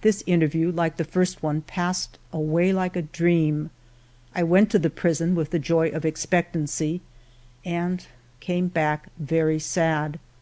This interview, like the first one, passed away like a dream ; I went to the prison with the joy of expectancy, and came back very sad.